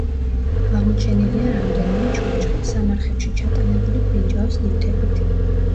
აღმოჩენილია რამდენიმე ჩონჩხი, სამარხებში ჩატანებული ბრინჯაოს ნივთებით.